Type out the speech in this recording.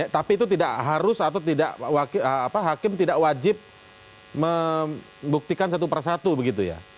tapi itu tidak harus atau tidak hakim tidak wajib membuktikan satu persatu begitu ya